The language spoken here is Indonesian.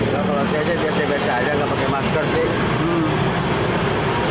kalau saya sih biasa biasa aja nggak pakai masker sih